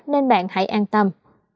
nên bạn hãy an tâm